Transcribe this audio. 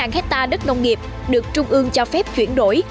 hai mươi sáu hectare đất nông nghiệp được trung ương cho phép chuyển đổi